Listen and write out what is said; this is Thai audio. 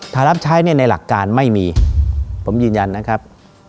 ถ้ารับใช้เนี่ยในหลักการไม่มีผมยืนยันนะครับ